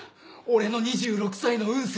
俺の２６歳の運勢！